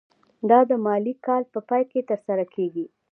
دا د مالي کال په پای کې ترسره کیږي.